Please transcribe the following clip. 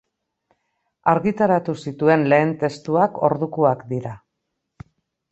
Argitaratu zituen lehen testuak ordukoak dira.